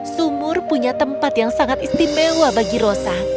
sumur punya tempat yang sangat istimewa bagi rosa